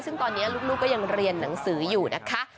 ซึ่งตอนนี้ลูกก็ยังเรียนหนังสืออยู่นะคะ